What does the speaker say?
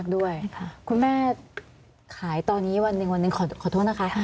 ด้วยคุณแม่ขายตอนนี้วันหนึ่งวันหนึ่งขอโทษนะคะ